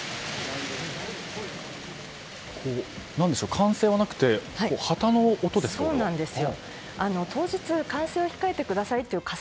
歓声はなくて旗の音でしょうか？